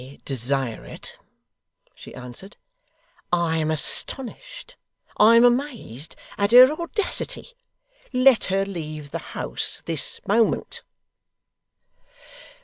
'I desire it!' she answered. 'I am astonished I am amazed at her audacity. Let her leave the house this moment.